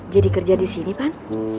jadi kerja di sini pan